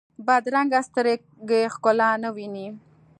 بدرنګه سترګې ښکلا نه ویني